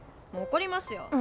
もうおこりますよ。